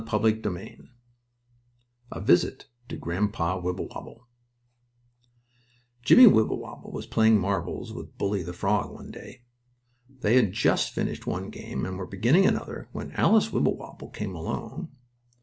STORY XII A VISIT TO GRANDPA WIBBLEWOBBLE Jimmie Wibblewobble was playing marbles with Bully, the frog, one day. They had just finished one game, and were beginning another when Alice Wibblewobble came alone.